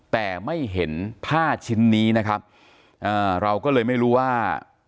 แต่ไม่เห็นผ้าชิ้นนี้นะครับอ่าเราก็เลยไม่รู้ว่า